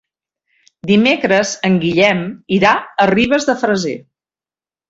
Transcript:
Dimecres en Guillem irà a Ribes de Freser.